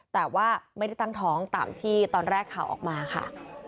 แต่ว่าไม่ได้ตั้งท้องตามที่ตอนแรกข่าวออกมาค่ะ